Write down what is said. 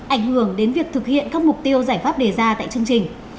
ảnh hưởng đến việc thực hiện các mục tiêu giải pháp đề ra tại chương trình